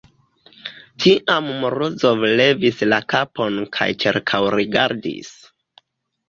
Tiam Morozov levis la kapon kaj ĉirkaŭrigardis.